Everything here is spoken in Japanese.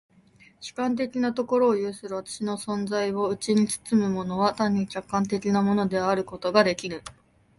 主観的なところを有する私の存在をうちに包むものは単に客観的なものであることができぬ。